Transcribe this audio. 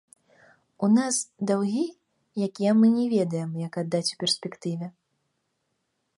У нас даўгі, якія мы не ведаем, як аддаць у перспектыве.